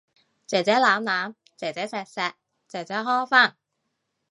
姐姐攬攬，姐姐錫錫，姐姐呵返